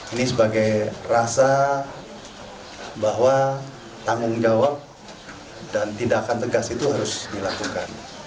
ini sebagai rasa bahwa tanggung jawab dan tindakan tegas itu harus dilakukan